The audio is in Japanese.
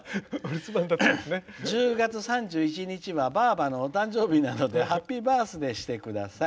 「１０月３１日は、ばあばのお誕生日なのでハッピーバースデーしてください。